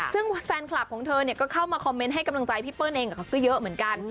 ซึ่งแฟนคลับของเธอก็เข้ามาคอมเมนต์ให้กำลังใจพี่เปิ้ลเองกับเขาก็เยอะเหมือนกัน